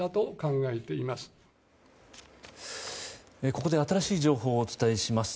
ここで新しい情報をお伝えします。